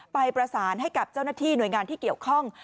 ไปประสานให้กับเจ้าหน้าที่หน่วยงานที่เกี่ยวข้อง